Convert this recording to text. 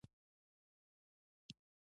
دا ډول نړۍ لید ګرد سره نه وو.